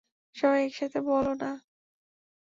সবাই একসাথে বলো না।